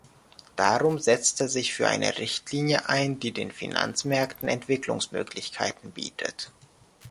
Darum setzt er sich für eine Richtlinie ein, die den Finanzmärkten Entwicklungsmöglichkeiten bietet.